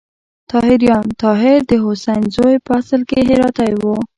طاهریان: طاهر د حسین زوی په اصل کې هراتی و.